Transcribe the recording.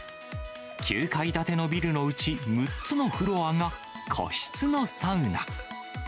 ９階建てのビルのうち、６つのフロアが個室のサウナ。